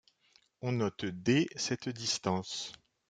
On note D cette distance.